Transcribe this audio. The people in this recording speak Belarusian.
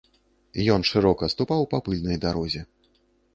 Ён шырока ступаў па пыльнай дарозе.